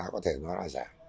có thể nó là giả